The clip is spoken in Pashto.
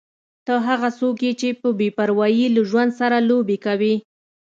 ته هغه څوک یې چې په بې پروايي له ژوند سره لوبې کوې.